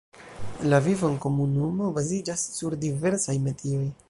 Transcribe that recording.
La vivo enkomunumo baziĝas sur diversaj metioj.